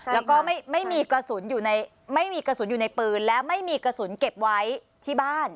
แล้วก็ไม่มีกระสุนอยู่ในไม่มีกระสุนอยู่ในปืนและไม่มีกระสุนเก็บไว้ที่บ้าน